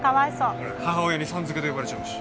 ほら母親にさん付けで呼ばれちゃうし。